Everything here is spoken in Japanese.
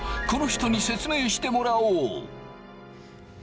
この人に説明してもらおう。